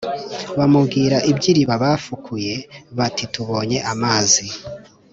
bamubwira iby iriba bafukuye bati Tubonye amazi